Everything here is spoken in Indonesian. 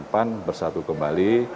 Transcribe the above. pan bersatu kembali